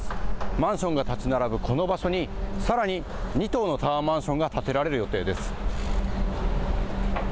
マンションが建ち並ぶこの場所にさらに２棟のタワーマンションが建てられる予定です。